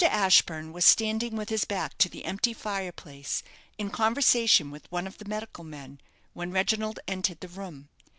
Ashburne was standing with his back to the empty fireplace, in conversation with one of the medical men, when Reginald entered the room.